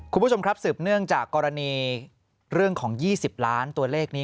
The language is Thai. คุณผู้ชมครับสืบเนื่องจากกรณีเรื่องของ๒๐ล้านตัวเลขนี้